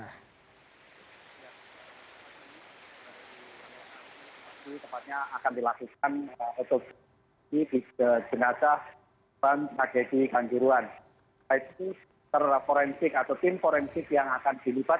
terlalu forensik atau tim forensik yang akan dilipat